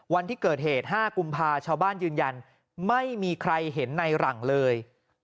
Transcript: วันที่เกิดเหตุ๕กุมภาชาวบ้านยืนยันไม่มีใครเห็นในหลังเลย